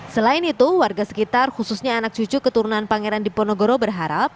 selain itu warga sekitar khususnya anak cucu keturunan pangeran diponegoro berharap